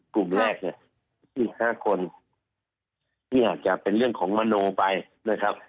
กลุ่มแรกเนี่ย๒๕คนที่อาจจะเป็นเรื่องของมโนไปนะครับ